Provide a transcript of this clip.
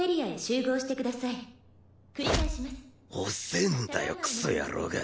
遅えんだよクソ野郎が。